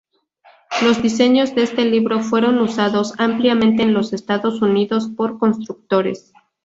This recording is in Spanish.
Los diseños de este libro fueron usados ampliamente en los Estados Unidos por constructores.